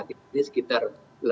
ini sekitar delapan dua ratus